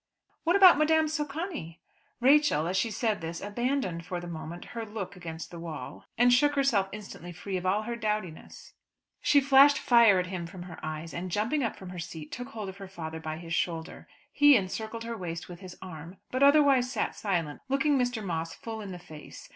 "What about Madame Socani?" Rachel, as she said this, abandoned for the moment her look against the wall, and shook herself instantly free of all her dowdiness. She flashed fire at him from her eyes, and jumping up from her seat, took hold of her father by his shoulder. He encircled her waist with his arm, but otherwise sat silent, looking Mr. Moss full in the face.